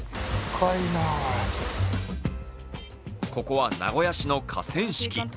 ここは名古屋市の河川敷。